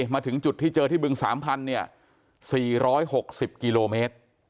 มาถึงจุดที่เจอที่บึงสามพันธุ์เนี่ยสี่ร้อยหกสิบกิโลเมตร